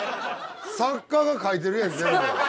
作家が書いてるやん全部。